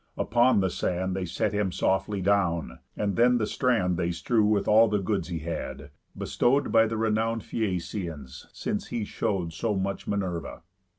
Upon the sand They set him softly down; and then the strand They strew'd with all the goods he had, bestow'd By the renown'd Phæacians, since he show'd So much Minerva.